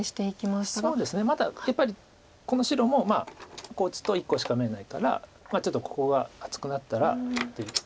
まだやっぱりこの白もこう打つと１個しか眼ないからちょっとここが厚くなったらっていう。